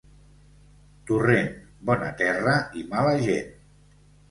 Torrent, bona terra i mala gent.